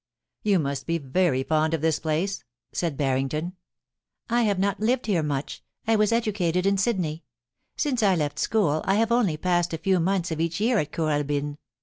* You must be very fond of this place,' said Barrington. BARRINGTON AND HONORIA. 163 * I have not lived here much. I was educated in Sydney. Since I left school, I have only passed a few months of each year at Kooralbyn.